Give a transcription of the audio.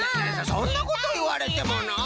そそんなこといわれてものう。